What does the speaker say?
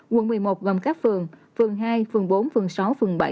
quận một mươi một gồm các phường phường hai phường bốn phường sáu phường bảy